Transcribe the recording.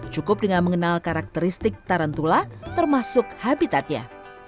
cukup dengan mengenal karakteristik tarantula termasuk habitatnya